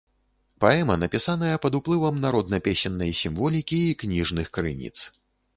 Паэма напісаная пад уплывам народна-песеннай сімволікі і кніжных крыніц.